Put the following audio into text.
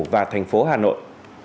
và thành phố hà nội